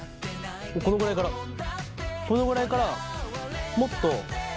このぐらいからこのぐらいからもっと。